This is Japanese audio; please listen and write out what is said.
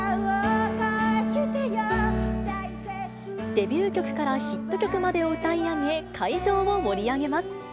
デビュー曲からヒット曲まで歌い上げ、会場を盛り上げます。